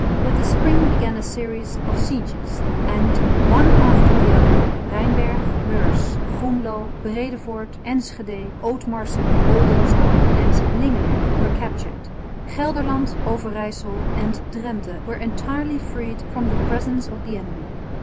With the spring began a series of sieges; and, one after the other, Rheinberg, Meurs, Groenloo, Breedevoort, Enschede, Ootmarsum, Oldenzaal and Lingen were captured. Gelderland, Overyssel and Drente were entirely freed from the presence of the enemy.